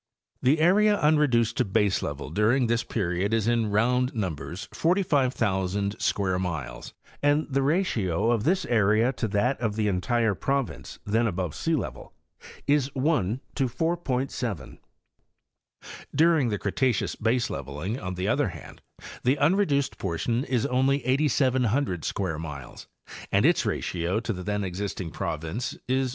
The area unreduced to baselevel during this period is in round numbers 45,000 square miles, and the ratio of this area to that of the entire province then above sealevel is 1:4.7.. Dur ing the Cretaceous baseleveling, on the other hand, the unreduced portion is only 8,700 square miles and its ratio to the then exist ing province 1: 22.